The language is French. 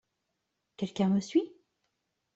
Quelqu'un me suit...